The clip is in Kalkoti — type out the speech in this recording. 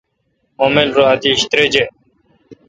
مہ مل رو اتیش تریجہ۔